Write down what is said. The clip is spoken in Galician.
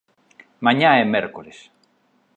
Mañá é mércores.